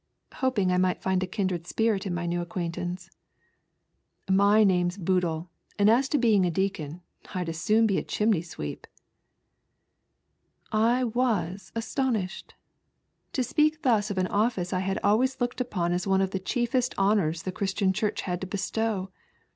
hopiug I might find a kindred spirit in my new acquaintance. "My name's Boodle ; and as to being a Deacon, I'd as 800D be a chimney sweep." I was astonished. To speak thus of an office I had always looked upon as one of the chiefest honours the Christian Church had to bestow.